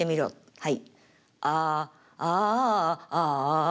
はい。